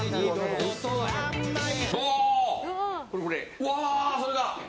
うわー！それだ。